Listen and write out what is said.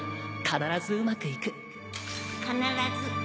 必ずうまくいく？